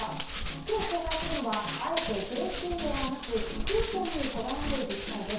今日、紹介するのはあえて現金ではなくクーポンにこだわる自治体です。